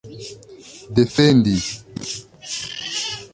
defendi